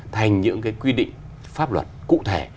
thành những quy định pháp luật cụ thể